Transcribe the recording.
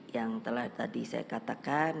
yang telah tadi saya katakan